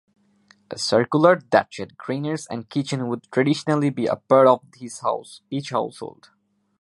A circular thatched granaries and kitchen would traditionally be a part of each household.